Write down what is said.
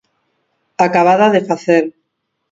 Acabada de facer.